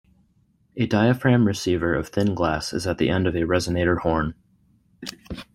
A diaphragm receiver of thin glass is at the end of a resonator horn.